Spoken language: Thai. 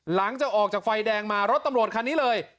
หลังจากออกจากไฟแดงมารถตำรวจคันนี้เลย